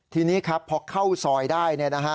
ทีนี้พอเข้าซอยได้